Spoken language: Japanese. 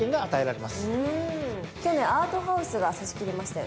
去年アートハウスが差し切りましたよね。